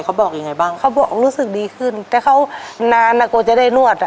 เขาบอกยังไงบ้างเขาบอกรู้สึกดีขึ้นแต่เขานานอ่ะกลัวจะได้นวดอ่ะ